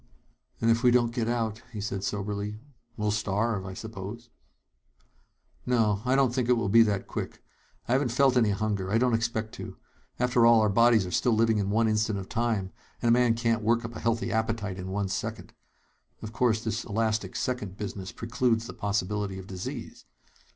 "And if we don't get out," he said soberly, "we'll starve, I suppose." "No, I don't think it will be that quick. I haven't felt any hunger. I don't expect to. After all, our bodies are still living in one instant of time, and a man can't work up a healthy appetite in one second. Of course, this elastic second business precludes the possibility of disease.